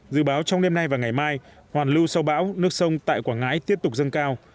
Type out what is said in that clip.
dự báo trong đêm nay và ngày mai hoàn lưu sau bão nước sông tại quảng ngãi tiếp tục dâng cao